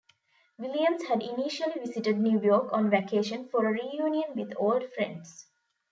Williams had initially visited New York on vacation for a reunion with old friends.